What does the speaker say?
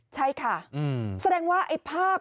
ใช่ค่ะแสดงว่าไอ้ภาพ